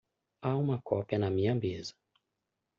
Há uma cópia na minha mesa.